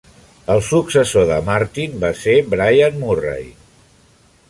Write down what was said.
El successor de Martin va ser Bryan Murray.